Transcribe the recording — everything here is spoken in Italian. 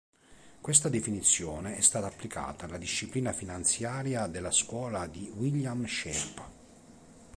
Questa definizione è stata applicata alla disciplina finanziaria dalla scuola di William Sharpe.